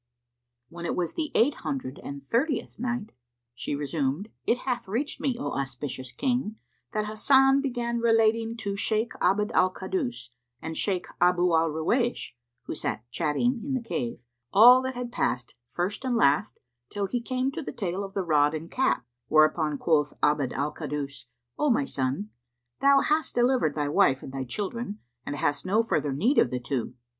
When it was the Eight Hundred and Thirtieth Night, She resumed, It hath reached me, O auspicious King, that Hasan began relating to Shaykh Abd al Kaddus and Shaykh Abu al Ruwaysh (who sat chattting in the cave) all that had passed, first and last, till he came to the tale of the rod and cap; whereupon quoth Abd al Kaddus, "O my son, thou hast delivered thy wife and thy children and hast no further need of the two.